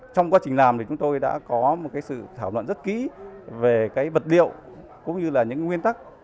trong quá trình làm thì chúng tôi đã có một sự thảo luận rất kỹ về vật liệu cũng như là những nguyên tắc